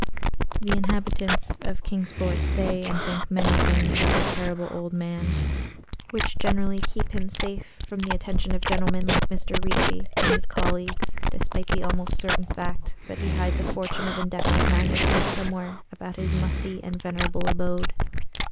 The inhabitants of Kingsport say and think many things about the Terrible Old Man which generally keep him safe from the attention of gentlemen like Mr. Ricci and his colleagues, despite the almost certain fact that he hides a fortune of indefinite magnitude somewhere about his musty and venerable abode.